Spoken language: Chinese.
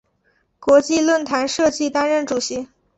国际论坛设计担任主席。